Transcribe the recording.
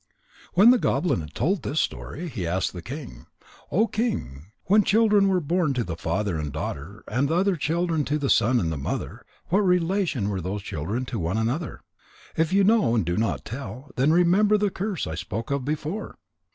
When the goblin had told this story, he asked the king: "O King, when children were born to the father and daughter, and other children to the son and mother, what relation were those children to one another? If you know and do not tell, then remember the curse I spoke of before?"